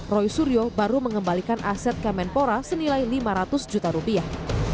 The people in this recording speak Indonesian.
roy suryo baru mengembalikan aset kemenpora senilai lima ratus juta rupiah